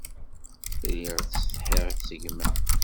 Lliɣ ttsetḥiɣ s gma.